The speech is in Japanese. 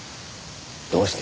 どうして？